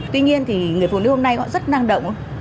tuy nhiên thì người phụ nữ hôm nay họ rất năng động